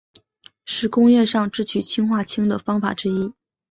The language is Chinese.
是工业上制取氰化氢的方法之一。